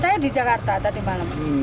saya di jakarta tadi malam